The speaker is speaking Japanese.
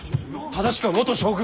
正しくは元将軍。